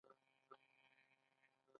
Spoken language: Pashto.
ایا مصنوعي ځیرکتیا د خلکو ازادي نه اغېزمنوي؟